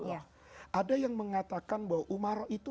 ada yang mengatakan bahwa umaro itu